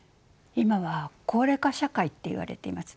今は高齢化社会っていわれていますね。